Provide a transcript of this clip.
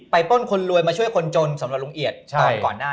ปล้นคนรวยมาช่วยคนจนสำหรับลุงเอียดตอนก่อนหน้า